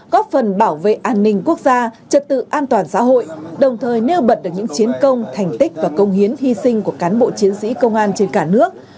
góp phần bảo vệ an ninh quốc gia trật tự an toàn xã hội đồng thời nêu bật được những chiến công thành tích và công hiến hy sinh của cán bộ chiến sĩ công an trên cả nước